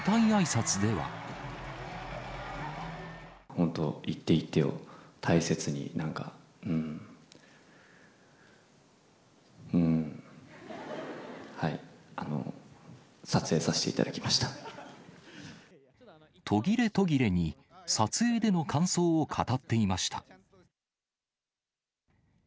本当、一手一手を大切に、なんか、うん、はい、撮影させていただき途切れ途切れに撮影での感想を語っていました。